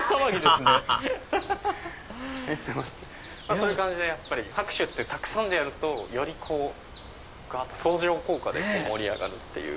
そういう感じで拍手ってたくさんでやると相乗効果で盛り上がるっていう。